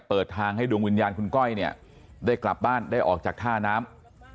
เปิดทางให้ดวงวิญญาณคุณก้อยเนี่ยได้กลับบ้านได้ออกจากท่าน้ำ